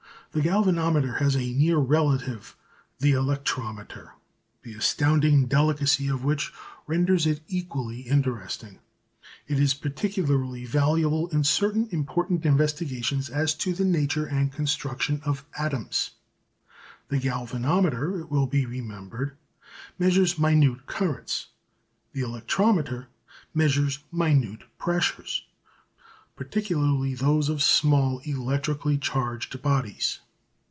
The galvanometer has a near relative, the electrometer, the astounding delicacy of which renders it equally interesting. It is particularly valuable in certain important investigations as to the nature and construction of atoms. The galvanometer, it will be remembered, measures minute currents; the electrometer measures minute pressures, particularly those of small electrically charged bodies.